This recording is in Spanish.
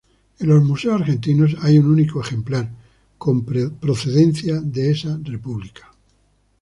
En los museos argentinos hay un único ejemplar con procedencia de esa república.